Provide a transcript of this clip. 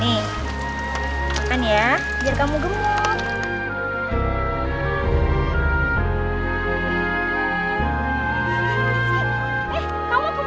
nih makan ya biar kamu gemuk